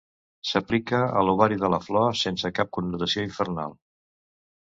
S'aplica a l'ovari de la flor, sense cap connotació infernal.